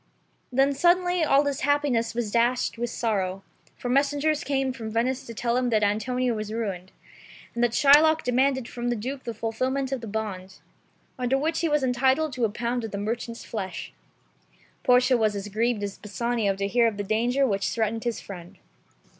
Then suddenly all his happiness was dashed with sorrow, for messengers came from Venice to tell him that Antonio was ruined, and that Shylock demanded from the Duke the fulfilment of the bond, under which he was entitled to a pound of the merchant's flesh. Portia was as grieved as Bassanio to hear of the danger which threatened his friend.